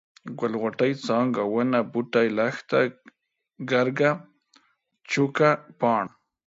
ګل، غوټۍ، څانګه ، ونه ، بوټی، لښته ، ګرګه ، چوکه ، پاڼه،